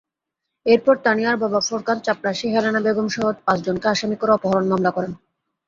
এরপর তানিয়ার বাবা ফোরকান চাপরাশি হেলেনা বেগমসহ পাঁচজনকে আসামি করে অপহরণ মামলা করেন।